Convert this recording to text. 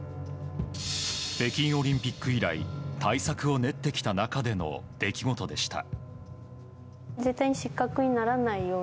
北京オリンピック以来対策を練ってきた中での出来事でした。